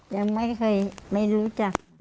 ยังไม่เคยไม่รู้จัก